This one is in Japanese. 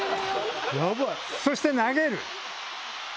そして投げる。